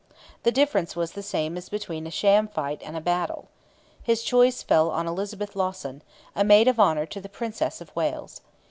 The difference was the same as between a sham fight and a battle. His choice fell on Elizabeth Lawson, a maid of honour to the Princess of Wales.